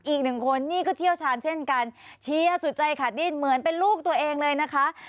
อีกหนึ่งคนนี่ก็เชี่ยวชาญเช่นกันเชียร์สุดใจขาดดิ้นเหมือนเป็นลูกตัวเองเลยนะคะ